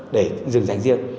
để dừng dành riêng